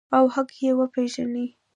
او حق یې وپیژني.